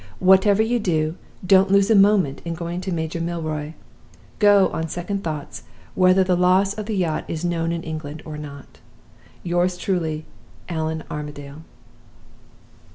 Whatever you do, don't lose a moment in going to Major Milroy. Go, on second thoughts, whether the loss of the yacht is known in England or not. "Yours truly, ALLAN ARMADALE."